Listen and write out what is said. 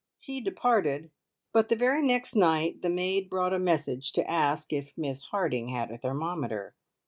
He departed, but the very next night the maid brought a message to ask if Miss Harding had a thermometer.